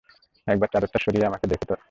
একবার, চাদরটা সরিয়ে, আমাকে দেখে তো নাও।